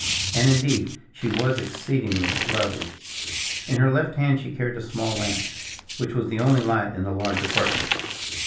And indeed she was exceedingly lovely. In her left hand she carried a small lamp, which was the only light in the large apartment.